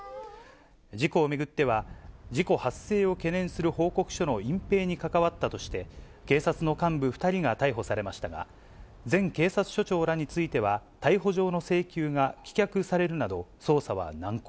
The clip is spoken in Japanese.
事故を巡っては、事故発生を懸念する報告書の隠蔽に関わったとして、警察の幹部２人が逮捕されましたが、前警察署長らについては、逮捕状の請求が棄却されるなど、捜査は難航。